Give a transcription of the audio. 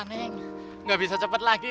ini tidak bisa jalan lagi